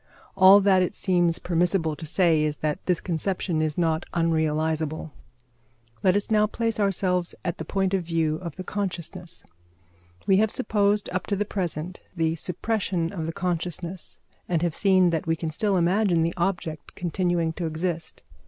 All that it seems permissible to say is that this conception is not unrealisable. Let us now place ourselves at the point of view of the consciousness. We have supposed up to the present the suppression of the consciousness, and have seen that we can still imagine the object continuing to exist.